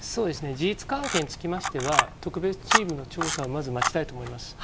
事実関係につきましては、特別チームの調査をまず待ちたいと思います。